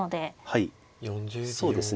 はいそうですね。